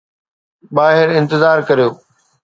ٻاهر انتظار ڪريو.